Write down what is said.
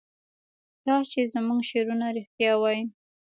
کاش چې زموږ شعرونه رښتیا وای.